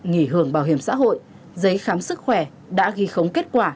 nghỉ hưởng bảo hiểm xã hội giấy khám sức khỏe đã ghi khống kết quả